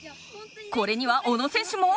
これには小野選手も。